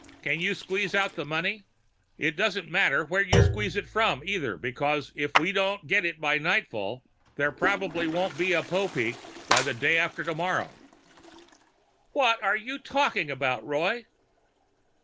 Can you squeeze out the money? It doesn't matter where you squeeze it from, either, because if we don't get it by nightfall there probably won't be a Popeek by the day after tomorrow." "What are you talking about, Roy?"